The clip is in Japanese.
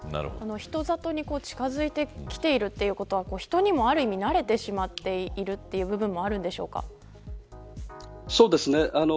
人里に近づいてきているということは人にもある意味慣れてしまっているという部分もそうですね。